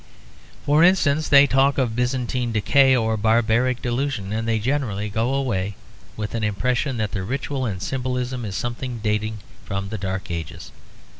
For instance, they talk of Byzantine decay or barbaric delusion, and they generally go away with an impression that the ritual and symbolism is something dating from the Dark Ages.